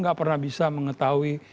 gak pernah bisa mengetahui